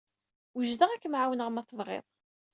Wejdeɣ ad kem-ɛawneɣ ma tebɣiḍ.